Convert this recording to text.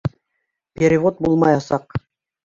Перевод булмаясаҡ.